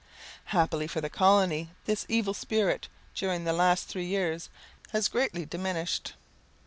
Happily for the colony, this evil spirit, during the last three years, has greatly diminished.